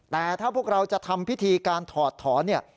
แต่ถ้าพวกเราจะทำพฤทธิการถอดถอน